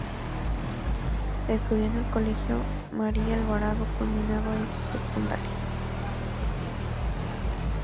Estudió en el Colegio María Alvarado culminando ahí su secundaria.